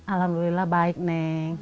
alhamdulillah baik neng